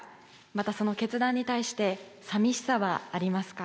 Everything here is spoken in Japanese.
またその決断に対して、さみしさはありますか？